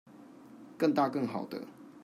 更大更好的